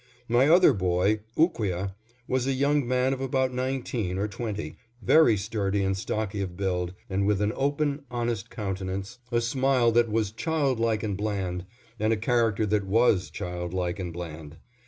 My other boy, Ooqueah, was a young man of about nineteen or twenty, very sturdy and stocky of build, and with an open, honest countenance, a smile that was "child like and bland," and a character that was child like and bland.